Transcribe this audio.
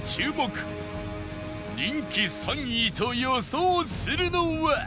人気３位と予想するのは